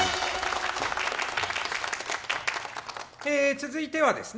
続いてはですね